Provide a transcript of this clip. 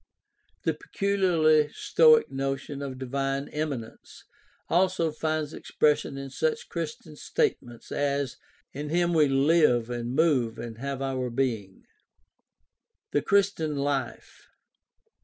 The peculiarly Stoic notion of divine immanence also finds expression in such Christian statements as "in him we live and move and have our being" (Acts 17:28). The Christian life.